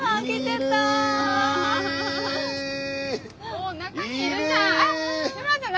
もう中にいるじゃん！